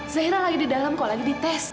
zairah lagi di dalam kok lagi di tes